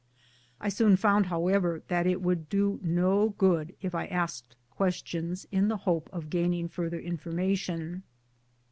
I soon found, however, that it would do no good if I asked questions in the hope of gaining fur ther information.